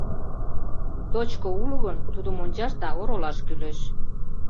Точко уло гын, тудым ончаш да оролаш кӱлеш.